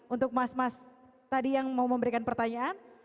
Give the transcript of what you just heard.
untuk mas mas tadi yang mau memberikan pertanyaan